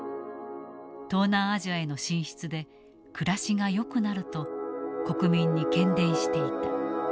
東南アジアへの進出で暮らしがよくなると国民に喧伝していた。